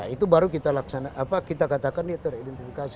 itu baru kita laksanakan kita katakan ya teridentifikasi